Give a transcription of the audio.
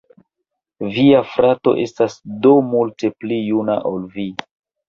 Via frato estas do multe pli juna ol vi.